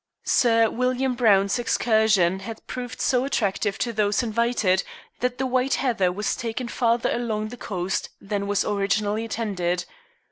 Sir William Browne's excursion had proved so attractive to those invited that the White Heather was taken farther along the coast than was originally intended.